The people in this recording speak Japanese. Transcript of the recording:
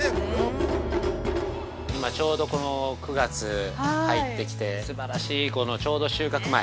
◆今ちょうどこの９月に入ってきてすばらしい、ちょうど収穫前。